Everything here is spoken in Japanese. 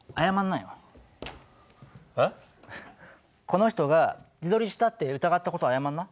この人が自撮りしたって疑ったこと謝んな。